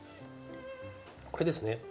これですね。